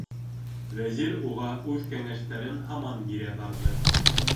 Вәзир уға үҙ кәңәштәрен һаман бирә барҙы.